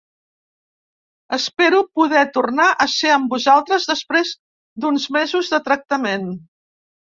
Espero poder tornar a ser amb vosaltres després d’uns mesos de tractament.